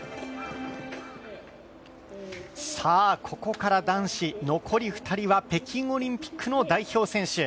ここから男子残り２人は北京オリンピックの代表選手。